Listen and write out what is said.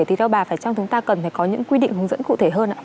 thì đâu bà phải trong chúng ta cần phải có những quy định hướng dẫn cụ thể hơn ạ